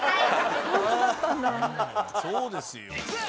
「そうですよ」